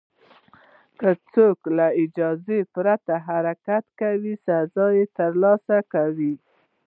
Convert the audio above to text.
که څوک له اجازې پرته حرکت کاوه، سزا یې ترلاسه کړه.